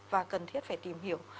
và cần thiết phải tìm hiểu